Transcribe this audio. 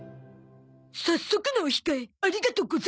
早速のお控えありがとござんす。